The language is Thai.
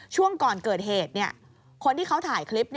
ช่วงก่อนเกิดเหตุคนที่เขาถ่ายคลิป